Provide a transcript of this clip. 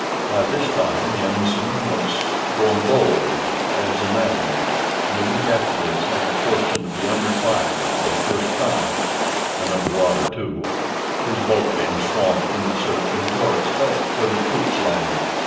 By this time the Ensign was grown as bold as an admiral, and a week afterwards had the fortune to be under fire for the first time and under water, too, his boat being swamped in the surf in Toros Bay, where the troops landed.